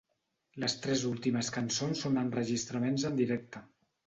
Les tres últimes cançons són enregistraments en directe.